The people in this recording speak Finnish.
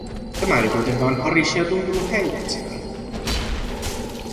Tämä ei kuitenkaan Harishia tuntunut häiritsevän.